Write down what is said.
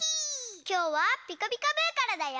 きょうは「ピカピカブ！」からだよ。